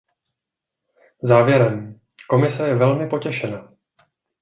Závěrem, Komise je velmi potěšena.